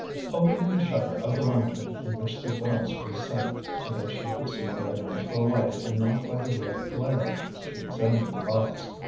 Opening the shutter of the lantern in which the glass was set, so that she could see by the natural light and not by the red glare, she examined the box.